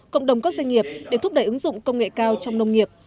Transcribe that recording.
cộng đồng các doanh nghiệp để thúc đẩy ứng dụng công nghệ cao trong nông nghiệp